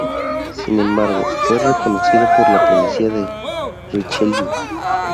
Sin embargo, fue reconocido por la policía de Richelieu.